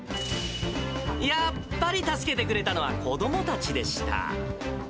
やっぱり助けてくれたのは、子どもたちでした。